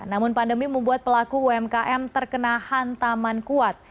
namun pandemi membuat pelaku umkm terkena hantaman kuat